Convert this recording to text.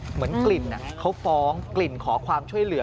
เหมือนกลิ่นเขาฟ้องกลิ่นขอความช่วยเหลือ